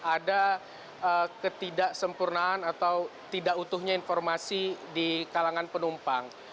ada ketidaksempurnaan atau tidak utuhnya informasi di kalangan penumpang